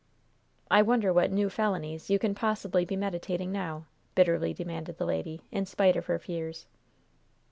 "I wonder what new felonies you can possibly be meditating now?" bitterly demanded the lady, in spite of her fears.